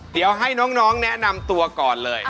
เดี๋ยวให้น้องแนะนำตัวก่อนเลย